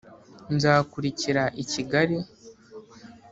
nzakurikira i kigali